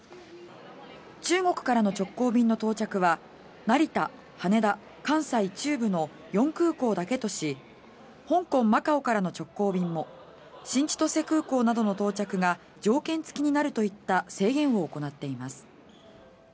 中国からの直行便の到着は成田、羽田、関西、中部の４空港だけとし香港、マカオからの直行便も新千歳空港などの到着が条件付きになるといった制限を行っています。